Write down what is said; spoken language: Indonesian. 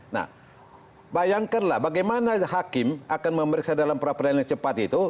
nah bayangkanlah bagaimana hakim akan memeriksa dalam peradilan yang cepat itu